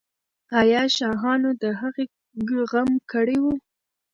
آیا شاهانو د هغې غم کړی و؟